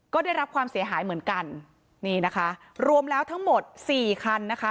ก็ได้รับความเสียหายเหมือนกันนี่นะคะรวมแล้วทั้งหมดสี่คันนะคะ